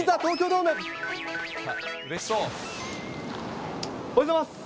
おはようございます。